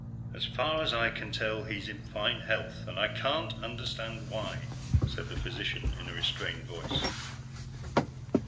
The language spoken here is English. "As far as I can tell, he's in fine health. And I can't understand why," said the physician in a restrained voice.